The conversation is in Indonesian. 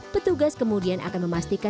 petugas kemudian akan memasuki lokasi